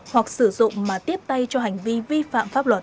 hoặc sử dụng mà tiếp tay cho hành vi vi phạm pháp luật